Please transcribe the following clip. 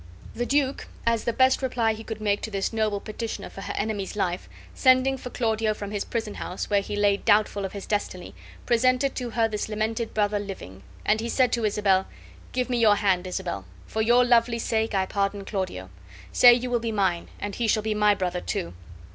The duke, as the best reply he could make to this noble petitioner for her enemy's life, sending for Claudio from his prisonhouse, where he lay doubtful of his destiny, presented to her this lamented brother living; and he said to Isabel: "Give me your hand, Isabel. For your lovely sake I pardon Claudio. Say you will be mine, and he shall be my brother, too."